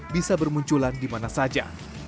bisa bermunculan di mana saja